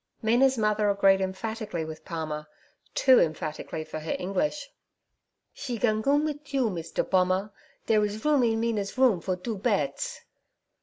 Mina's mother agreed emphatically with Palmer, too emphatically for her English. 'She gan goom mit you, Misder Pommer; dare is room in Mina's room for doo bets.'